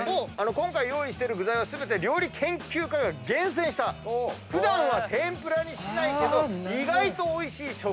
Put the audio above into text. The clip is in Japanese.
今回用意してる具材は全て料理研究家が厳選した普段は天ぷらにしないけど意外とおいしい食材と。